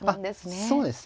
あっそうですね。